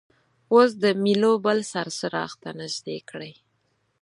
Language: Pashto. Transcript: اوس د میلو بل سر څراغ ته نژدې کړئ.